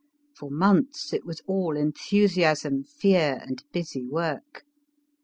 For months it was all enthusiasm, fear aud busy work.